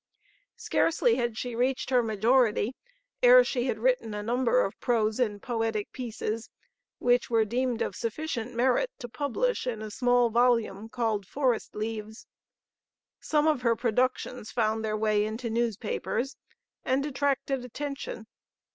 Scarcely had she reached her majority ere she had written a number of prose and poetic pieces which were deemed of sufficient merit to publish in a small volume called "Forest Leaves." Some of her productions found their way into newspapers and attracted attention.